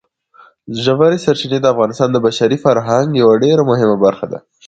ژورې سرچینې د افغانستان د بشري فرهنګ یوه ډېره مهمه برخه ده.